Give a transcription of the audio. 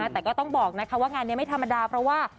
แต่ก็ต้องบอกว่างานนี้ไม่ธรรมดาเพราะว่า